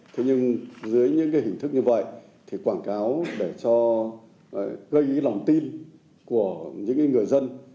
thế nhưng dưới những hình thức như vậy quảng cáo để gây ý lòng tin của những người dân